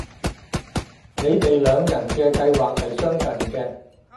你哋兩人嘅計劃係相近嘅